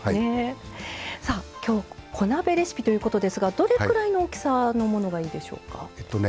今日小鍋レシピということですがどれくらいの大きさのものがいいでしょうか。